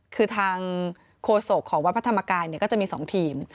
คือทางโฆษกของวัดพระธรรมกายก็จะมี๒ทีม